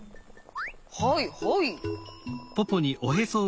はいはい。